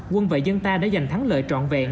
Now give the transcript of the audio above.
quân và dân ta đã giành thắng lợi trọn vẹn